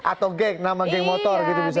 atau geng nama geng motor gitu bisa ya